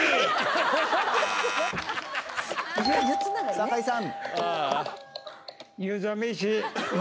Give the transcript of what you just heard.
坂井さん